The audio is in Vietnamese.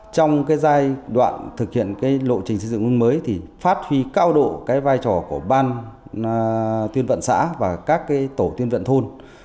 trong giai đoạn thực hiện lộ trình xây dựng mới thì phát huy cao độ vai trò của ban tuyên vận xã và các tổ tuyên vận thôn